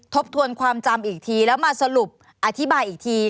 ทบทวนความจำอีกทีแล้วมาสรุปอธิบายอีกที